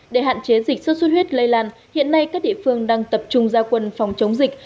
để hạn chế dịch sốt xuất huyết lây lan hiện nay các địa phương đang tập trung gia quân phòng chống dịch